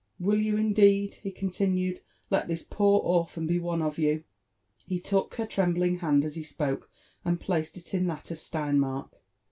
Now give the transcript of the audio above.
—<' Will you indeed/' he continued, "let ihia poor orphan be one of you f' He took her trembling hand as he spoke and placed it in that of Steinmark.